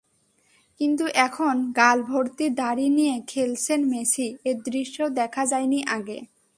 কিন্তু এমন গালভর্তি দাড়ি নিয়ে খেলছেন মেসি—এ দৃশ্যও দেখা যায়নি আগে।